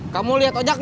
kamu liat ojak gak